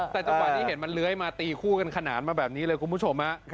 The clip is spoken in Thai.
แต่จังหวะที่เห็นมันเลื้อยมาตีคู่กันขนานมาแบบนี้เลยคุณผู้ชม